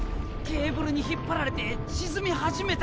ケーブルに引っ張られて沈み始めた！